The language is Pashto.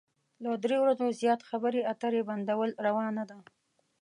له درې ورځو زيات خبرې اترې بندول روا نه ده.